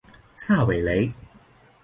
萨韦雷。